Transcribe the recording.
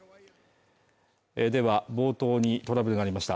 では、冒頭にトラブルがありました